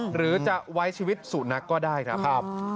หรือจะไว้ชีวิตสุนัขก็ได้ครับ